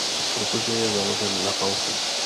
Protože je založen na falši.